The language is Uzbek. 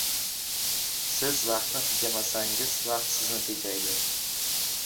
Siz vaqtni tejamasangiz, vaqt sizni tejaydi.